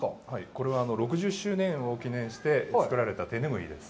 これは６０周年を記念して作られた手拭いです。